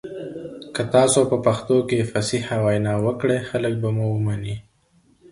که تاسي په پښتو کي فصیحه وینا وکړئ خلک به مو ومني.